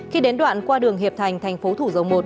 khi đến đoạn qua đường hiệp thành thành phố thủ dầu một